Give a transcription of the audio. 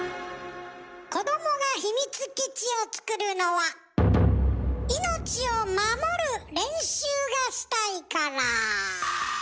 子どもが秘密基地を作るのは命を守る練習がしたいから。